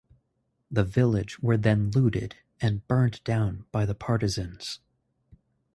The village were then looted and burned down by the partisans.